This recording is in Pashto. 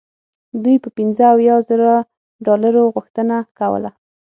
دوی د پنځه اویا زره ډالرو غوښتنه کوله.